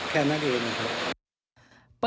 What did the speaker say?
แค่นั้นเองนะครับ